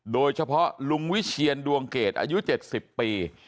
โดยเฉพาะลุงวิเชียนดวงเกตอายุ๗๐ปี